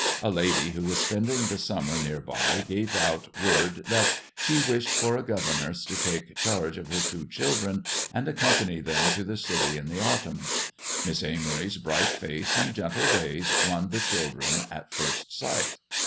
A lady who was spending the summer near by gave out word that she wished for a governess to take charge of her two children and accompany them to the city in the autumn. Miss Amory's bright face and gentle ways won the children at first sight.